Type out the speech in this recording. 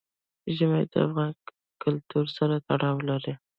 ژمی د افغان کلتور سره تړاو لري.